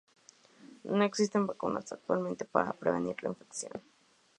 No existen vacunas actualmente para prevenir la afección.